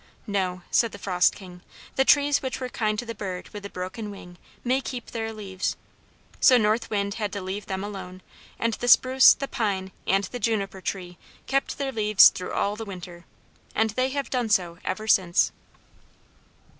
"No," said the Frost King, "the trees which were kind to the bird with the broken wing may keep their leaves." So North Wind had to leave them alone, and the spruce, the pine, and the juniper tree kept their leaves through all the winter. And they have done so ever since.